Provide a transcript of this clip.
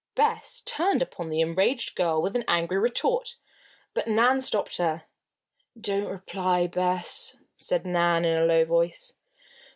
Bess turned upon the enraged girl with an angry retort. But Nan stopped her. "Don't reply, Bess," said Nan, in a low voice.